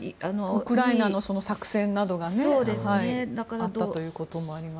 ウクライナの作戦などがあったということもあります。